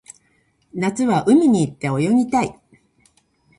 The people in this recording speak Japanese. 夏は海に行って泳ぎたい